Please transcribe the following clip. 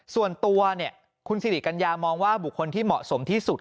ส่วนตัวคุณสิริกัญญามองว่าบุคคลที่เหมาะสมที่สุด